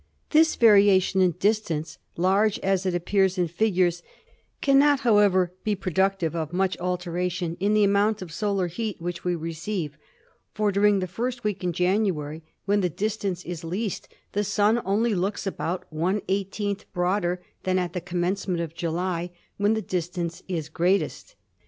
This variation in distance, large as it appears in figures, can, however, not be productive of much alteration in the amount of solar heat which we receive, for during the first week in January, when the distance is least, the Sun only looks about one eighteenth broader than at the commence ment of July, when the distance is greatest.